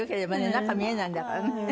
中見えないんだからね。